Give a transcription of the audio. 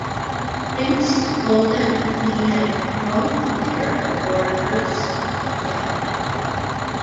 Ince told them that he had drunk liquor aboard Hearst's yacht.